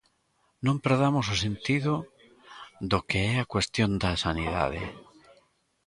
Non perdamos o sentido do que é a cuestión da sanidade.